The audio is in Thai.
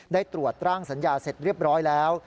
ได้ตรวจร่างสัญญาเสร็จเรียบร้อยแล้ว